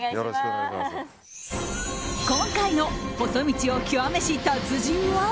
今回の細道を極めし達人は。